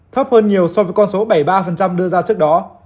thấp hơn nhiều so với con số bảy mươi ba đưa ra trước đó